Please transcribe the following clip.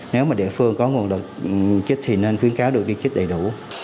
nếu mà địa phương có nguồn lực chích thì nên khuyến cáo được đi trích đầy đủ